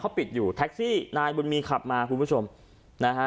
เขาปิดอยู่แท็กซี่นายบุญมีขับมาคุณผู้ชมนะฮะ